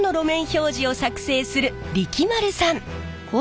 標示を作成する力丸さん。